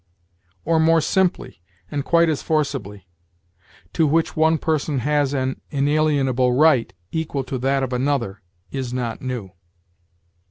Or, more simply and quite as forcibly: "... to which one person has an inalienable right equal to that of another, is not new."